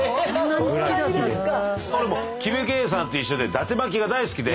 俺もキムケイさんと一緒でだて巻きが大好きで。